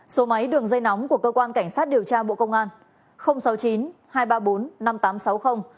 số máy đường dây nóng của cơ quan cảnh sát điều tra bộ công an